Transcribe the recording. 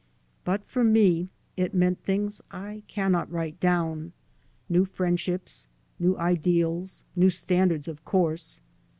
But for me it meant things I cannot write down : new friendships, new ideals, new standards, of course.